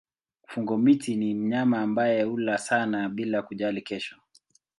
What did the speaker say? Fungo-miti ni mnyama ambaye hula sana bila kujali kesho.